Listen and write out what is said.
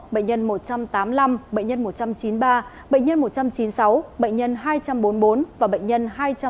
bệnh nhân một trăm tám mươi năm bệnh nhân một trăm chín mươi ba bệnh nhân một trăm chín mươi sáu bệnh nhân hai trăm bốn mươi bốn và bệnh nhân hai trăm bốn mươi